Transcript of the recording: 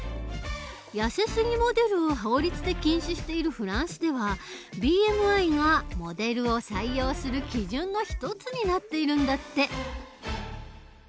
やせすぎモデルを法律で禁止しているフランスではＢＭＩがモデルを採用する基準の一つになっているんだって。